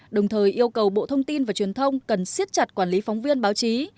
đồng thời yêu cầu bộ thông tin và truyền thông cần siết chặt quản lý phóng viên báo chí